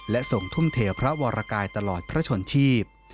และส่งทุ่มเทพระวรกายตลอดพระชนชีพ